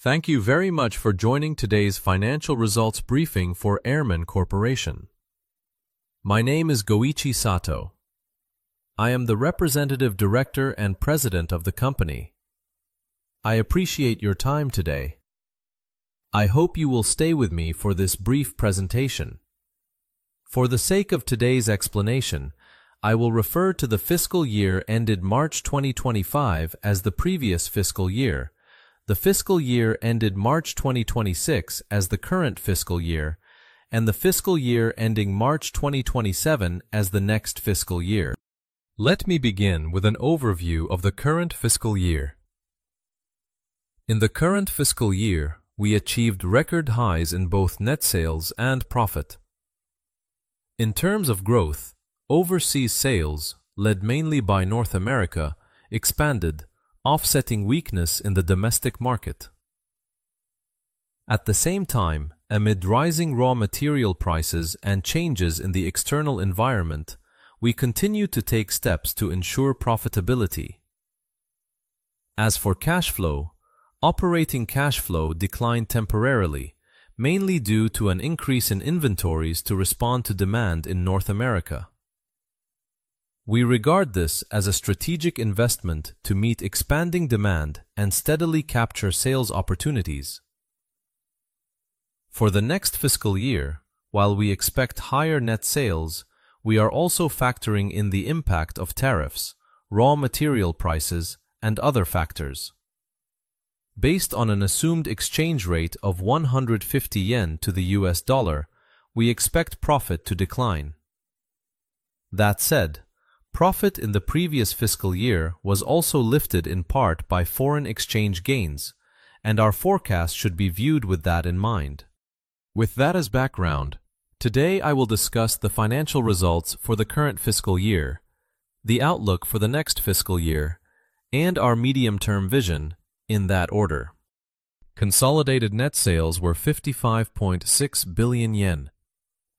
Thank you very much for joining today's financial results briefing for AIRMAN CORPORATION. My name is Goichi Sato. I am the Representative Director and President of the company. I appreciate your time today. I hope you will stay with me for this brief presentation. For the sake of today's explanation, I will refer to the fiscal year ended March 2025 as the previous fiscal year, the fiscal year ended March 2026 as the current fiscal year, and the fiscal year ending March 2027 as the next fiscal year. Let me begin with an overview of the current fiscal year. In the current fiscal year, we achieved record highs in both net sales and profit. In terms of growth, overseas sales, led mainly by North America, expanded, offsetting weakness in the domestic market. At the same time, amid rising raw material prices and changes in the external environment, we continue to take steps to ensure profitability. As for cash flow, operating cash flow declined temporarily, mainly due to an increase in inventories to respond to demand in North America. We regard this as a strategic investment to meet expanding demand and steadily capture sales opportunities. For the next fiscal year, while we expect higher net sales, we are also factoring in the impact of tariffs, raw material prices, and other factors. Based on an assumed exchange rate of 150 yen to the U.S. dollar, we expect profit to decline. That said, profit in the previous fiscal year was also lifted in part by foreign exchange gains, and our forecast should be viewed with that in mind. With that as background, today I will discuss the financial results for the current fiscal year, the outlook for the next fiscal year, and our Medium-Term Vision in that order. Consolidated net sales were 55.6 billion yen,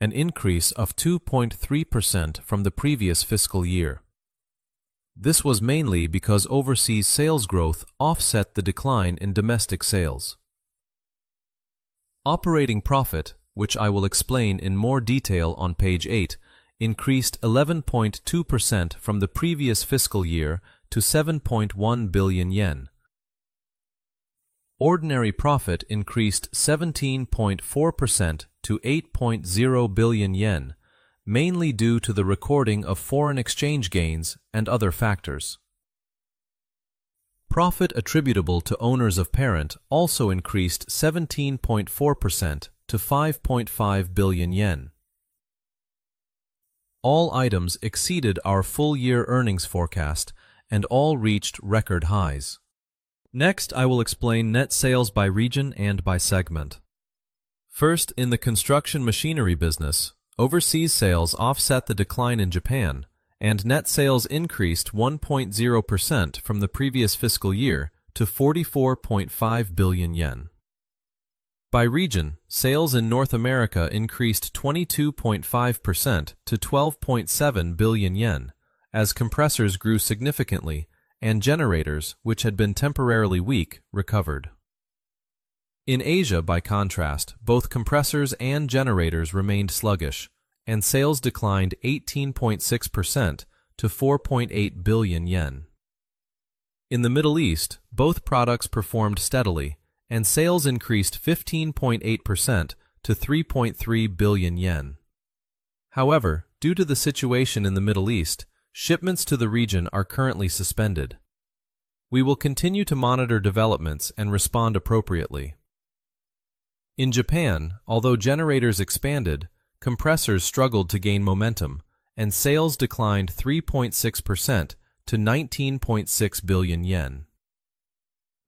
an increase of 2.3% from the previous fiscal year. This was mainly because overseas sales growth offset the decline in domestic sales. Operating profit, which I will explain in more detail on page eight, increased 11.2% from the previous fiscal year to 7.1 billion yen. Ordinary profit increased 17.4% to 8.0 billion yen, mainly due to the recording of foreign exchange gains and other factors. Profit attributable to owners of parent also increased 17.4% to 5.5 billion yen. All items exceeded our full-year earnings forecast and all reached record highs. I will explain net sales by region and by segment. In the construction machinery business, overseas sales offset the decline in Japan, and net sales increased 1.0% from the previous fiscal year to 44.5 billion yen. By region, sales in North America increased 22.5% to 12.7 billion yen, as compressors grew significantly and generators, which had been temporarily weak, recovered. In Asia, by contrast, both compressors and generators remained sluggish, and sales declined 18.6% to 4.8 billion yen. In the Middle East, both products performed steadily, and sales increased 15.8% to 3.3 billion yen. However, due to the situation in the Middle East, shipments to the region are currently suspended. We will continue to monitor developments and respond appropriately. In Japan, although generators expanded, compressors struggled to gain momentum, and sales declined 3.6% to 19.6 billion yen.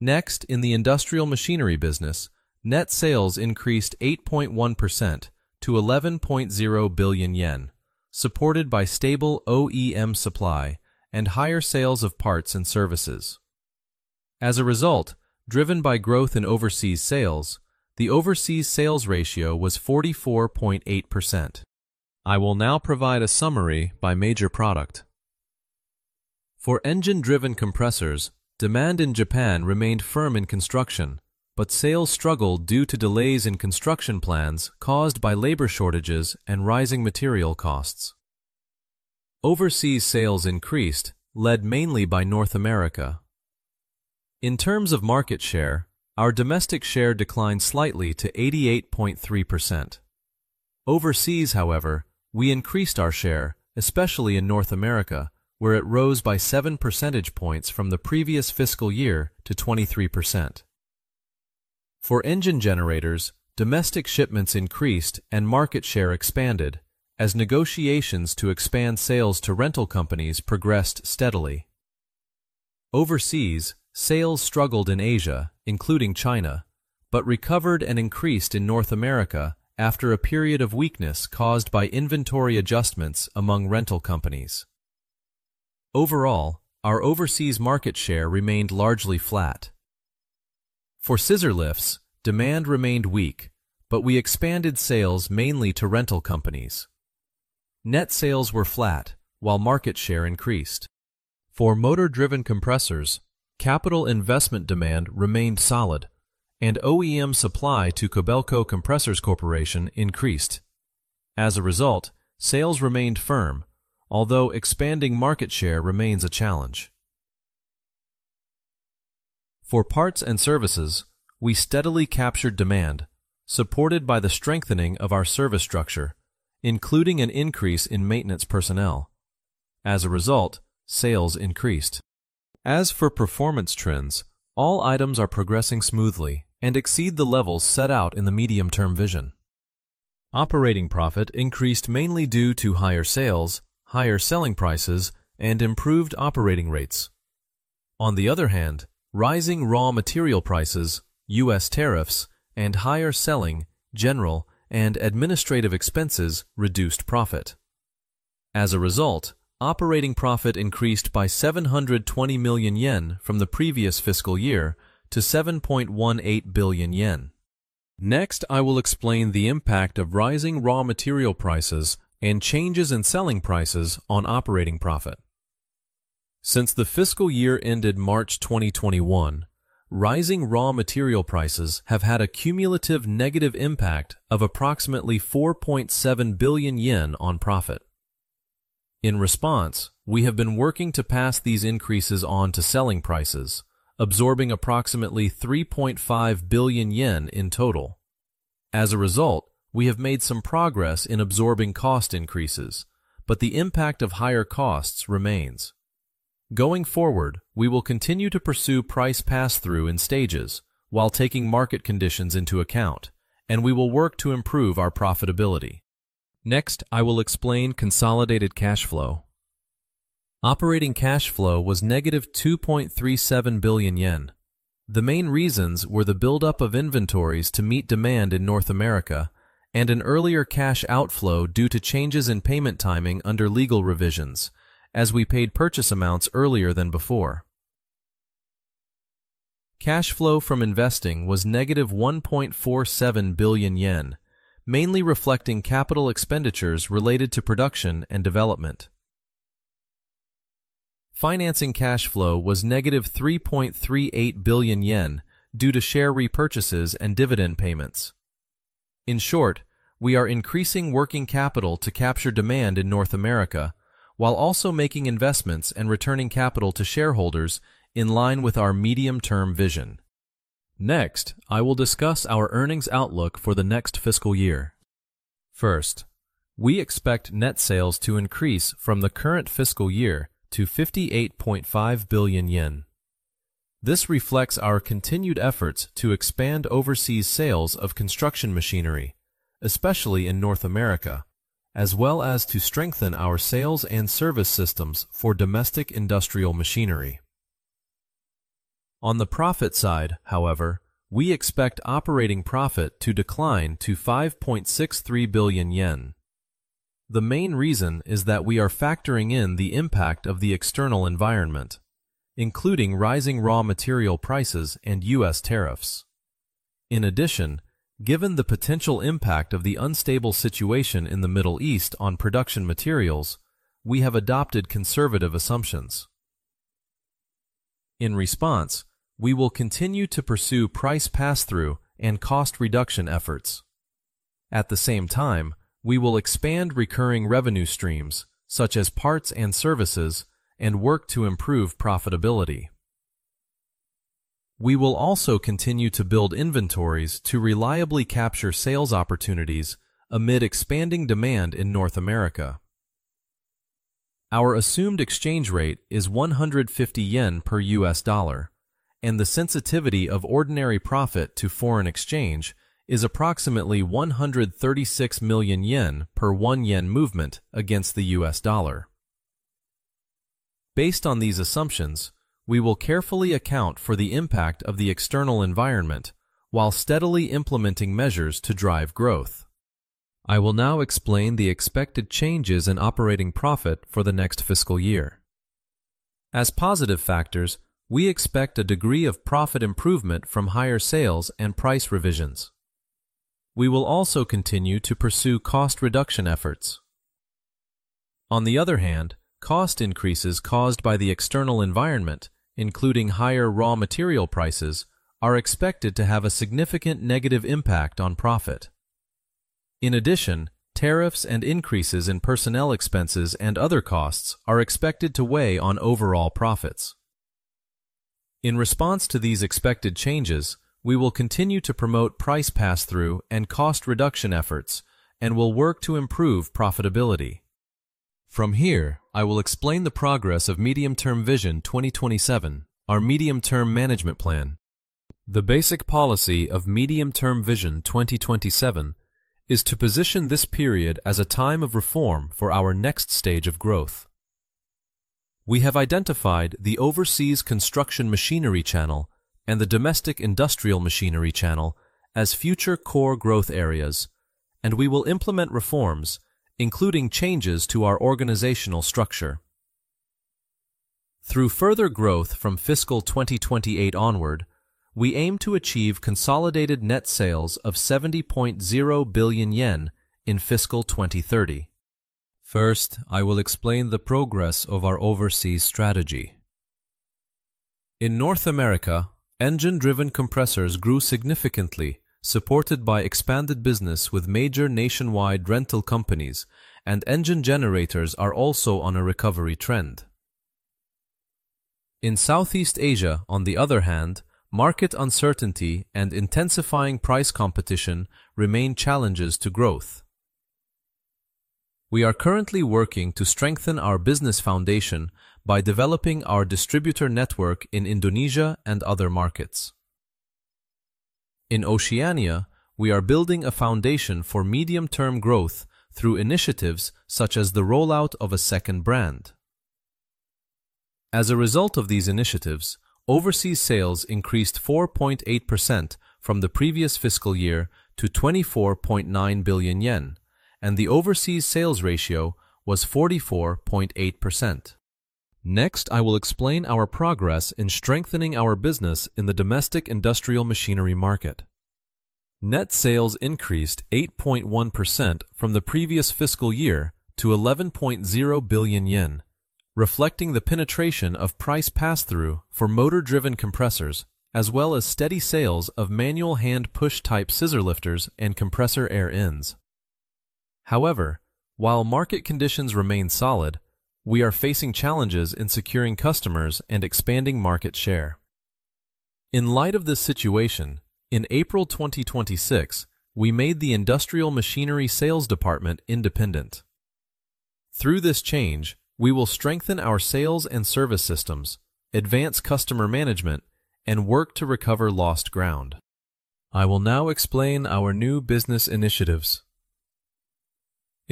In the industrial machinery business, net sales increased 8.1% to 11.0 billion yen, supported by stable OEM supply and higher sales of parts and services. As a result, driven by growth in overseas sales, the overseas sales ratio was 44.8%. I will now provide a summary by major product. For engine-driven compressors, demand in Japan remained firm in construction, sales struggled due to delays in construction plans caused by labor shortages and rising material costs. Overseas sales increased, led mainly by North America. In terms of market share, our domestic share declined slightly to 88.3%. Overseas, we increased our share, especially in North America, where it rose by seven percentage points from the previous fiscal year to 23%. For engine generators, domestic shipments increased and market share expanded as negotiations to expand sales to rental companies progressed steadily. Overseas, sales struggled in Asia, including China, recovered and increased in North America after a period of weakness caused by inventory adjustments among rental companies. Overall, our overseas market share remained largely flat. For scissor lifts, demand remained weak, we expanded sales mainly to rental companies. Net sales were flat while market share increased. For motor-driven compressors, capital investment demand remained solid, and OEM supply to KOBELCO COMPRESSORS CORPORATION increased. As a result, sales remained firm, although expanding market share remains a challenge. For parts and services, we steadily captured demand, supported by the strengthening of our service structure, including an increase in maintenance personnel. As a result, sales increased. As for performance trends, all items are progressing smoothly and exceed the levels set out in the Medium-Term Vision. Operating profit increased mainly due to higher sales, higher selling prices, and improved operating rates. On the other hand, rising raw material prices, U.S. tariffs, and higher selling, general, and administrative expenses reduced profit. As a result, operating profit increased by 720 million yen from the previous fiscal year to 7.18 billion yen. I will explain the impact of rising raw material prices and changes in selling prices on operating profit. Since the fiscal year ended March 2021, rising raw material prices have had a cumulative negative impact of approximately 4.7 billion yen on profit. In response, we have been working to pass these increases on to selling prices, absorbing approximately 3.5 billion yen in total. As a result, we have made some progress in absorbing cost increases, the impact of higher costs remains. Going forward, we will continue to pursue price pass-through in stages while taking market conditions into account, we will work to improve our profitability. I will explain consolidated cash flow. Operating cash flow was negative 2.37 billion yen. The main reasons were the buildup of inventories to meet demand in North America and an earlier cash outflow due to changes in payment timing under legal revisions, as we paid purchase amounts earlier than before. Cash flow from investing was negative 1.47 billion yen, mainly reflecting capital expenditures related to production and development. Financing cash flow was negative 3.38 billion yen due to share repurchases and dividend payments. In short, we are increasing working capital to capture demand in North America while also making investments and returning capital to shareholders in line with our Medium-Term Vision. I will discuss our earnings outlook for the next fiscal year. We expect net sales to increase from the current fiscal year to 58.5 billion yen. This reflects our continued efforts to expand overseas sales of construction machinery, especially in North America, as well as to strengthen our sales and service systems for domestic industrial machinery. On the profit side, however, we expect operating profit to decline to 5.63 billion yen. The main reason is that we are factoring in the impact of the external environment, including rising raw material prices and U.S. tariffs. Given the potential impact of the unstable situation in the Middle East on production materials, we have adopted conservative assumptions. In response, we will continue to pursue price pass-through and cost reduction efforts. At the same time, we will expand recurring revenue streams such as parts and services and work to improve profitability. We will also continue to build inventories to reliably capture sales opportunities amid expanding demand in North America. Our assumed exchange rate is 150 yen per U.S. dollar, and the sensitivity of ordinary profit to foreign exchange is approximately 136 million yen per 1 yen movement against the U.S. dollar. Based on these assumptions, we will carefully account for the impact of the external environment while steadily implementing measures to drive growth. I will now explain the expected changes in operating profit for the next fiscal year. As positive factors, we expect a degree of profit improvement from higher sales and price revisions. We will also continue to pursue cost reduction efforts. On the other hand, cost increases caused by the external environment, including higher raw material prices, are expected to have a significant negative impact on profit. Tariffs and increases in personnel expenses and other costs are expected to weigh on overall profits. In response to these expected changes, we will continue to promote price pass-through and cost reduction efforts and will work to improve profitability. I will explain the progress of Medium-Term Vision 2027, our medium-term management plan. The basic policy of Medium-Term Vision 2027 is to position this period as a time of reform for our next stage of growth. We have identified the overseas construction machinery channel and the domestic industrial machinery channel as future core growth areas, and we will implement reforms, including changes to our organizational structure. Through further growth from fiscal 2028 onward, we aim to achieve consolidated net sales of 70.0 billion yen in fiscal 2030. First, I will explain the progress of our overseas strategy. In North America, engine-driven compressors grew significantly, supported by expanded business with major nationwide rental companies, and engine generators are also on a recovery trend. In Southeast Asia, market uncertainty and intensifying price competition remain challenges to growth. We are currently working to strengthen our business foundation by developing our distributor network in Indonesia and other markets. In Oceania, we are building a foundation for medium-term growth through initiatives such as the rollout of a second brand. As a result of these initiatives, overseas sales increased 4.8% from the previous fiscal year to 24.9 billion yen, and the overseas sales ratio was 44.8%. Next, I will explain our progress in strengthening our business in the domestic industrial machinery market. Net sales increased 8.1% from the previous fiscal year to 11.0 billion yen, reflecting the penetration of price pass-through for motor-driven compressors, as well as steady sales of manual hand push-type scissor lifters and compressor air ends. While market conditions remain solid, we are facing challenges in securing customers and expanding market share. In light of this situation, in April 2026, we made the Industrial Machinery Sales Department independent. Through this change, we will strengthen our sales and service systems, advance customer management, and work to recover lost ground. I will now explain our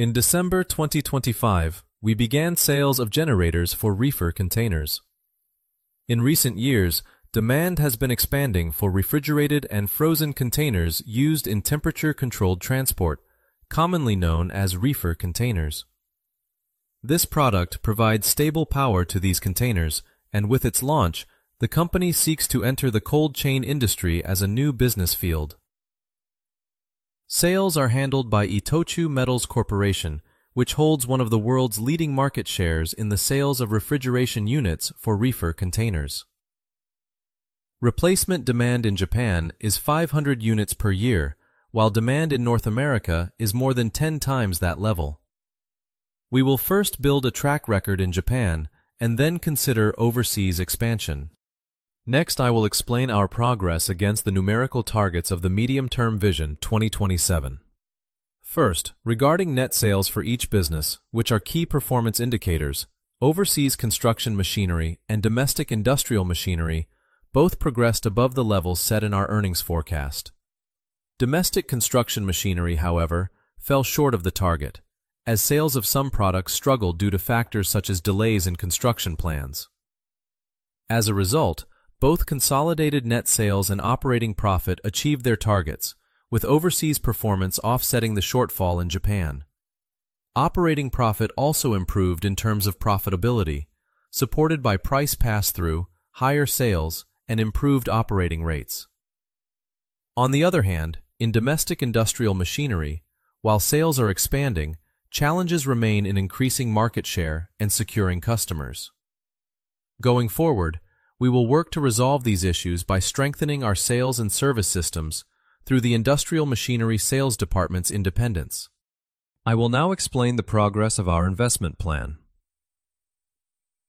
new business initiatives. In December 2025, we began sales of generators for reefer containers. In recent years, demand has been expanding for refrigerated and frozen containers used in temperature-controlled transport, commonly known as reefer containers. This product provides stable power to these containers, and with its launch, the company seeks to enter the cold-chain industry as a new business field. Sales are handled by Itochu Metals Corporation, which holds one of the world's leading market shares in the sales of refrigeration units for reefer containers. Replacement demand in Japan is 500 units per year, while demand in North America is more than 10 times that level. We will first build a track record in Japan and then consider overseas expansion. Next, I will explain our progress against the numerical targets of the Medium-Term Vision 2027. First, regarding net sales for each business, which are key performance indicators, overseas construction machinery and domestic industrial machinery both progressed above the levels set in our earnings forecast. Domestic construction machinery, however, fell short of the target, as sales of some products struggled due to factors such as delays in construction plans. As a result, both consolidated net sales and operating profit achieved their targets, with overseas performance offsetting the shortfall in Japan. Operating profit also improved in terms of profitability, supported by price pass-through, higher sales, and improved operating rates. On the other hand, in domestic industrial machinery, while sales are expanding, challenges remain in increasing market share and securing customers. Going forward, we will work to resolve these issues by strengthening our sales and service systems through the Industrial Machinery Sales Department’s independence. I will now explain the progress of our investment plan.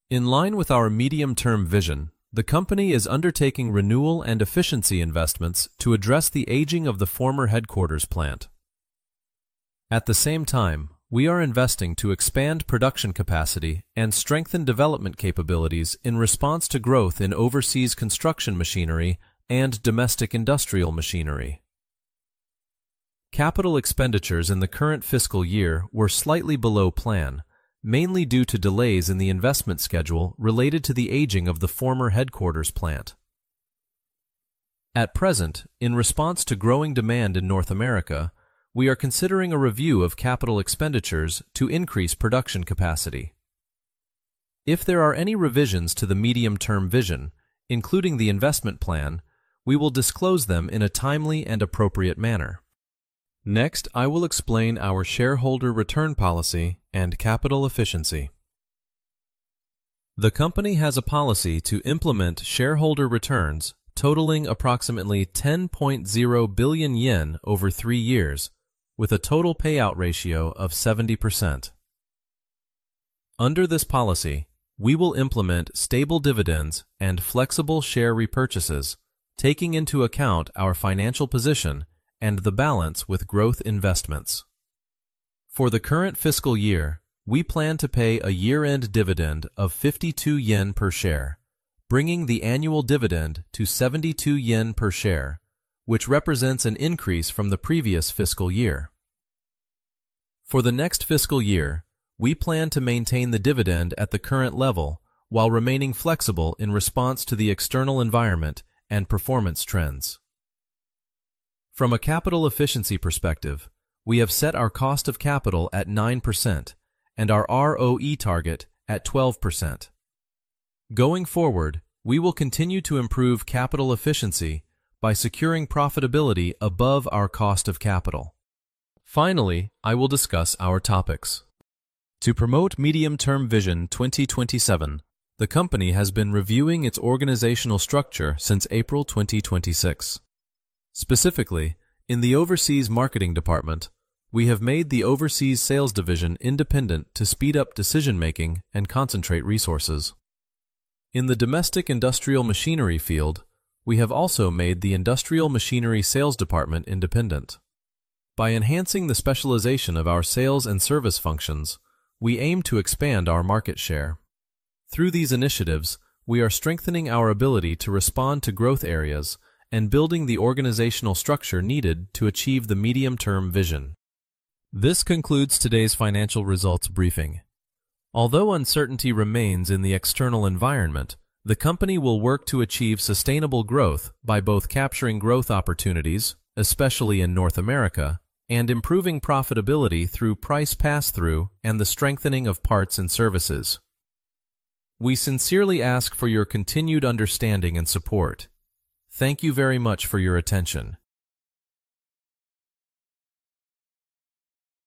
In line with our medium-term vision, the company is undertaking renewal and efficiency investments to address the aging of the former headquarters plant. At the same time, we are investing to expand production capacity and strengthen development capabilities in response to growth in overseas construction machinery and domestic industrial machinery. Capital expenditures in the current fiscal year were slightly below plan, mainly due to delays in the investment schedule related to the aging of the former headquarters plant. At present, in response to growing demand in North America, we are considering a review of capital expenditures to increase production capacity. If there are any revisions to the medium-term vision, including the investment plan, we will disclose them in a timely and appropriate manner. Next, I will explain our shareholder return policy and capital efficiency. The company has a policy to implement shareholder returns totaling approximately 10.0 billion yen over three years, with a total payout ratio of 70%. Under this policy, we will implement stable dividends and flexible share repurchases, taking into account our financial position and the balance with growth investments. For the current fiscal year, we plan to pay a year-end dividend of 52 yen per share, bringing the annual dividend to 72 yen per share, which represents an increase from the previous fiscal year. For the next fiscal year, we plan to maintain the dividend at the current level while remaining flexible in response to the external environment and performance trends. From a capital efficiency perspective, we have set our cost of capital at 9% and our ROE target at 12%. Going forward, we will continue to improve capital efficiency by securing profitability above our cost of capital. Finally, I will discuss our topics. To promote Medium-Term Vision 2027, the company has been reviewing its organizational structure since April 2026. Specifically, in the Overseas Marketing Department, we have made the Overseas Sales Division independent to speed up decision-making and concentrate resources. In the domestic industrial machinery field, we have also made the Industrial Machinery Sales Department independent. By enhancing the specialization of our sales and service functions, we aim to expand our market share. Through these initiatives, we are strengthening our ability to respond to growth areas and building the organizational structure needed to achieve the medium-term vision. This concludes today's financial results briefing. Although uncertainty remains in the external environment, the company will work to achieve sustainable growth by both capturing growth opportunities, especially in North America, and improving profitability through price pass-through and the strengthening of parts and services. We sincerely ask for your continued understanding and support. Thank you very much for your attention.